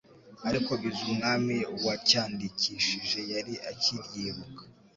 Ariko Bizumwami wacyandikishije yari akiryibuka.